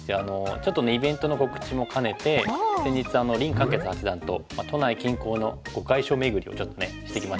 ちょっとねイベントの告知も兼ねて先日林漢傑八段と都内近郊の碁会所めぐりをちょっとしてきました。